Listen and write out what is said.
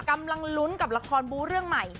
กำลังลุ้นกับละครบูเรื่องใหม่